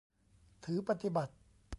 ถือปฏิบัติ